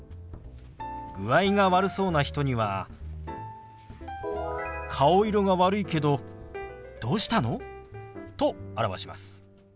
具合が悪そうな人には「顔色が悪いけどどうしたの？」と表します。